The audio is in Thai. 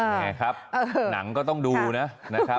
นี่ครับหนังก็ต้องดูนะ